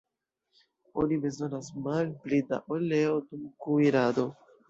Oni bezonas malpli da oleo dum kuirado.